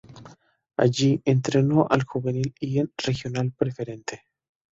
Allí entrenó al juvenil y en Regional Preferente.